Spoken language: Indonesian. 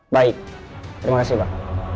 baik terima kasih pak